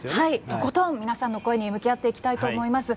とことん皆さんの声に向き合っていきたいと思います。